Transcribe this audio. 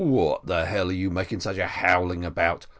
"What the hell are you making such a howling about?